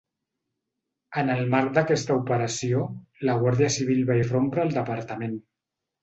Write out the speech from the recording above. En el marc d'aquesta operació, la Guàrdia civil va irrompre al departament.